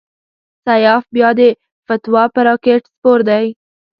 سیاف بیا د فتوی پر راکېټ سپور دی.